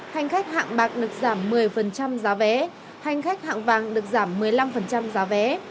hành khách hạng bạc được giảm một mươi giá vé hành khách hạng vàng được giảm một mươi năm giá vé